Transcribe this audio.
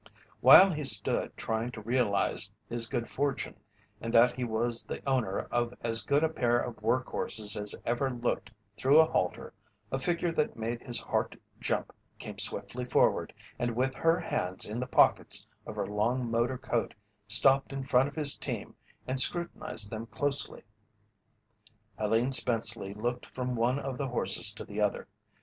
While he stood trying to realize his good fortune and that he was the owner of as good a pair of work horses as ever looked through a halter, a figure that made his heart jump came swiftly forward, and with her hands in the pockets of her long motor coat, stopped in front of his team and scrutinized them closely. Helene Spenceley looked from one of the horses to the other.